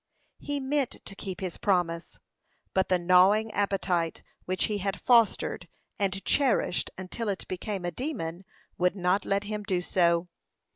He meant to keep his promise; but the gnawing appetite, which he had fostered and cherished until it became a demon, would not let him do so.